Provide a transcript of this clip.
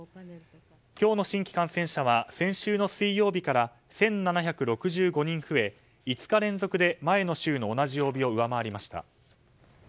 今日の新規感染者は先週の水曜日から１７６５人増え５日連続で前の週の同じ曜日を上回りました。